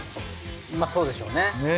まあそうでしょうね。ねぇ。